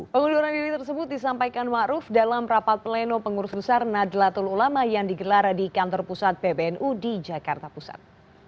pengunduran diri tersebut disampaikan ⁇ maruf ⁇ dalam rapat pleno pengurus besar nadlatul ulama yang digelar di kantor pusat pbnu di jakarta pusat